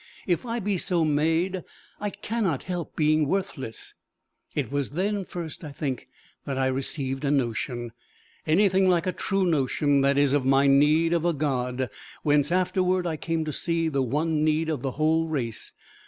If I be so made, I cannot help being worthless!" It was then first, I think, that I received a notion anything like a true notion, that is, of my need of a God whence afterward I came to see the one need of the whole race.